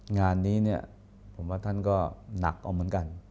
งานนี้เนี่ยผมว่าท่านก็หนักเอาเหมือนกัน